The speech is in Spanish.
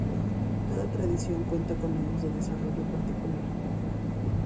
Cada tradición cuenta con años de desarrollo particular.